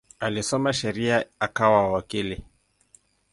Alisoma sheria akawa wakili.